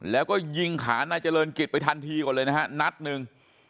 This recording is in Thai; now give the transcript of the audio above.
แล้วก็ยิงขานายเจริญกิจไปทันทีก่อนเลยนะฮะนัดหนึ่ง